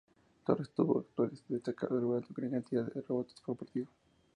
Torres tuvo actuaciones destacadas, logrando gran cantidad de rebotes por partido.